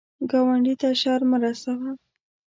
ګاونډي ته شر مه رسوه